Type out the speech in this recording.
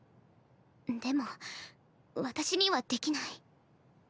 でも私にはできない。